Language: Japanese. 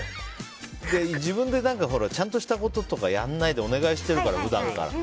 自分でちゃんとしたこととかやらないでお願いしてるから、普段から。